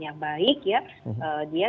yang baik ya dia